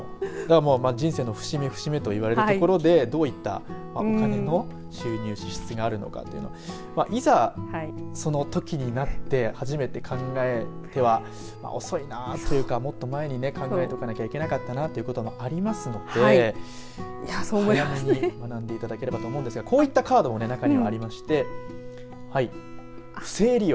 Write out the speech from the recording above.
人生の節目、節目といわれるところでどういったお金の収入支出があるのかというのはいざ、そのときになって初めて考えては遅いなというか、もっと前に考えとかなきゃいけなかったなということもありますので早めに学んでいただければと思いますがこういったカードも中にはありまして不正利用。